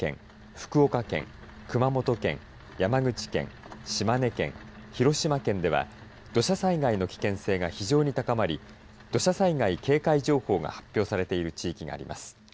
福岡県、熊本県山口県、島根県広島県では土砂災害の危険性が非常に高まり土砂災害警戒情報が発表されている地域があります。